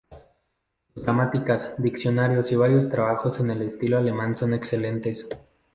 Sus gramáticas, diccionarios y varios trabajos en el estilo alemán son excelentes.